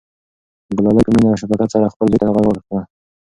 ګلالۍ په مینه او شفقت سره خپل زوی ته غږ وکړ.